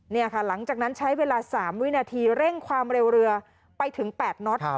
นี่ค่ะหลังจากนั้นใช้เวลา๓วินาทีเร่งความเร็วเรือไปถึง๘น็อต